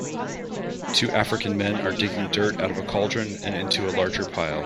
Two African men are digging dirt out of a cauldron and into a larger pile.